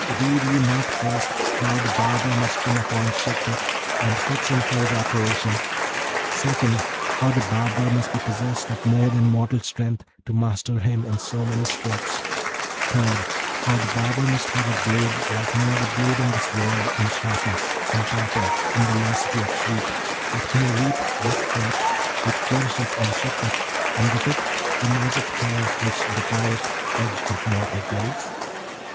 Read ye not, first, how the barber must come upon Shagpat and fix him for his operation; second, how the barber must be possessed of more than mortal strength to master him in so many strokes; third, how the barber must have a blade like no other blade in this world in sharpness, in temper, in velocity of sweep, that he may reap this crop which flourisheth on Shagpat, and with it the magic hair which defieth edge of mortal blades?'